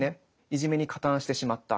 いじめに加担してしまった。